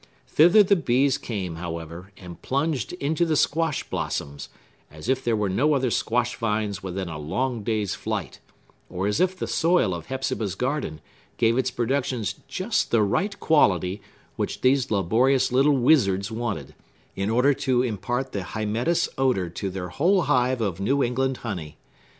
Thither the bees came, however, and plunged into the squash blossoms, as if there were no other squash vines within a long day's flight, or as if the soil of Hepzibah's garden gave its productions just the very quality which these laborious little wizards wanted, in order to impart the Hymettus odor to their whole hive of New England honey.